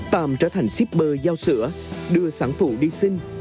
tạm trở thành shipper giao sữa đưa sản phụ đi sinh